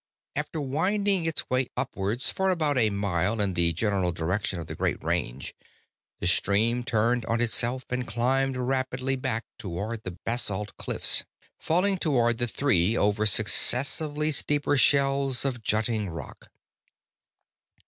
After winding its way upwards for about a mile in the general direction of the Great Range, the stream turned on itself and climbed rapidly back toward the basalt cliffs, falling toward the three over successively steeper shelves of jutting rock.